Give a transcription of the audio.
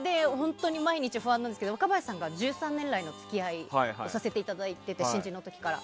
毎日、不安なんですけど若林さんとは１３年来の付き合いをさせていただいていて新人の時から。